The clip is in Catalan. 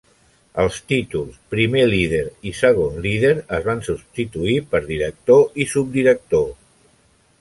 Els títols Primer líder i Segon líder es van substituir per Director i Subdirector.